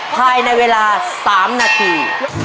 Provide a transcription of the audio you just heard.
ภายในเวลา๓นาที